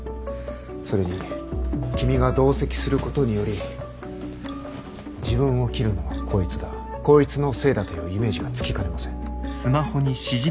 それに君が同席することにより自分を切るのはこいつだこいつのせいだというイメージがつきかねません。